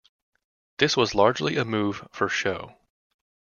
This was largely a move for show.